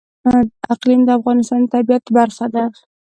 اقلیم د افغانستان د طبیعت برخه ده.